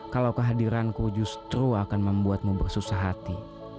kalau kehadiranku justru akan membuatmu bersusah hati